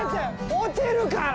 落ちるから！